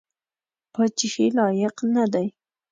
پاچهي لایق نه دی.